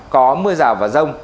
có mưa rào và rông